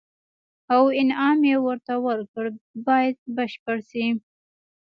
او انعام یې ورته ورکړ باید بشپړ شي.